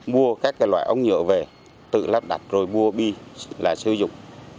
mua các loại ống nhựa về tự lắp đặt rồi mua bi là sử dụng